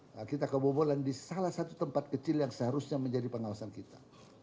nah kita kebobolan di salah satu tempat kecil yang seharusnya menjadi pengawasan kita